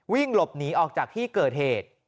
วิ่งหลบหนีออกจากที่เกิดเหตุ